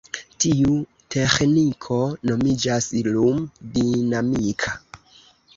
Tiu teĥniko nomiĝas "lum-dinamika".